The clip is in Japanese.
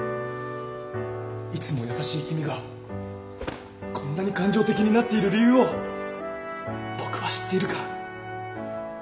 いつも優しい君がこんなに感情的になっている理由を僕は知っているから。